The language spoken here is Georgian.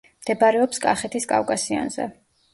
მდებარეობს კახეთის კავკასიონზე.